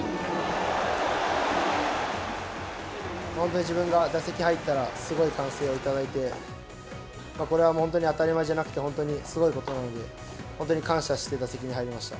本当に自分が打席に入ったら、すごい歓声を頂いて、これはもう本当に当たり前じゃなくて、本当にすごいことなので、本当に感謝して打席に入りました。